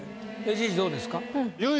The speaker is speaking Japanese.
ＨＧどうですか？